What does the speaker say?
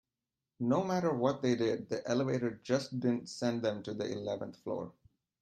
No matter what they did, the elevator just didn't send them to the eleventh floor.